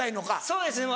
そうですね